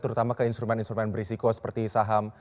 terutama ke instrumen instrumen berisiko seperti saham